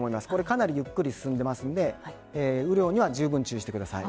かなりゆっくり進んでいますので雨量にはじゅうぶん注意してください。